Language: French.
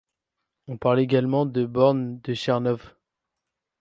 On parle également de borne de Chernoff.